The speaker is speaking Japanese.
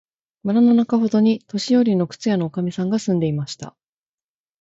村のなかほどに、年よりの靴屋のおかみさんが住んでいました。